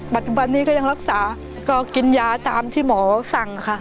ปัจจุบันนี้ก็ยังรักษาก็กินยาตามที่หมอสั่งค่ะ